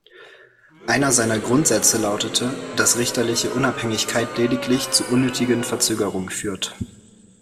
Einer seiner Grundsätze lautete, dass richterliche Unabhängigkeit lediglich „zu unnötigen Verzögerung führt“.